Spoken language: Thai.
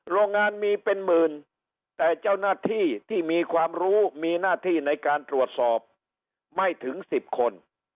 โรงงานมีเป็นหมื่นแต่เจ้าหน้าที่ที่มีความรู้มีหน้าที่ในการตรวจสอบไม่ถึง๑๐คน